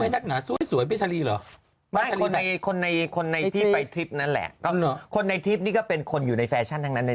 ไอ้นักหนาสวยสวยไปชะลีหรอคนในคนในที่ไปทริปนั่นแหละคนในทริปนี้ก็เป็นคนอยู่ในแฟชั่นทั้งนั้นใน